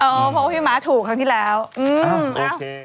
เพราะว่าพี่ม้าถูกครั้งที่แล้วอืม